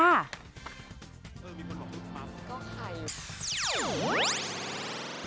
มีคนบอกว่าคุณปั๊บ